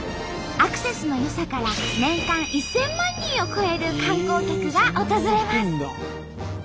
アクセスの良さから年間１，０００万人を超える観光客が訪れます。